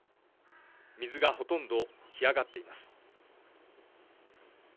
水がほとんど干上がっています。